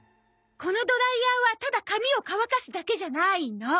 このドライヤーはただ髪を乾かすだけじゃないの。